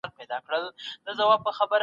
درمل د ماشومانو له لاسرسي لرې وساتئ.